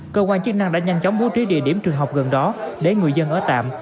cơ quan chức năng đã nhanh chóng bố trí địa điểm trường học gần đó để người dân ở tạm